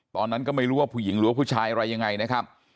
ตอนนั้นก็ไม่รู้ว่าผู้หญิงหรือว่าผู้ชายอะไรยังไงนะครับ